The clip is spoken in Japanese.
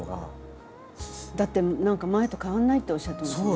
だって何か前と変わんないっておっしゃってましたよね。